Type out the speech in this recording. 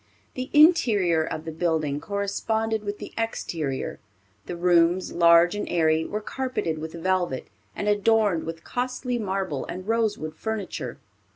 The interior of the building corresponded with the exterior. The rooms, large and airy, were carpeted with velvet, and adorned with costly marble and rosewood furniture.